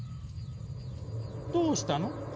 どうしたの？